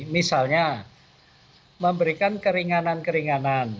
misalnya memberikan keringanan keringanan